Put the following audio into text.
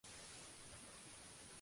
Siendo el municipio más poblado Goiás.